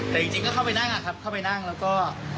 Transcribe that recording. แต่จริงก็เข้าไปนั่งอะครับเข้าไปนั่งแล้วก็